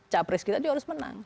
capres kita juga harus menang